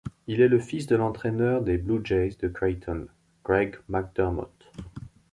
Il est le fils de l'entraîneur des Bluejays de Creighton, Greg McDermott.